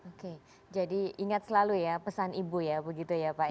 oke jadi ingat selalu ya pesan ibu ya begitu ya pak